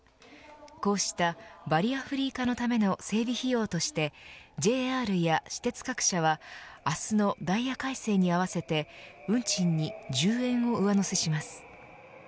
こうしたバリアフリー化のための整備費用としてＪＲや私鉄各社は明日のダイヤ改正に合わせて運賃に１０円を上乗せします。